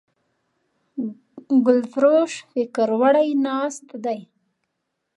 ګلفروش فکر وړی ناست دی